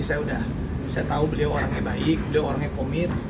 saya udah saya tahu beliau orangnya baik beliau orang yang komit